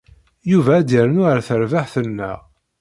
Yuba ad d-yernu ar terbeɛt-nneɣ.